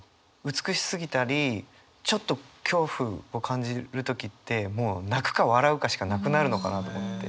美しすぎたりちょっと恐怖を感じる時ってもう泣くか笑うかしかなくなるのかなと思って。